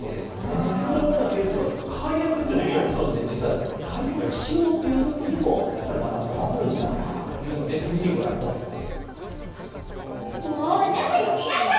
先ほどのようなケースは、解実は、解約しようというときにも、やっぱりまたトラブルになっているというので、続きご覧くもう、サプリはいらない。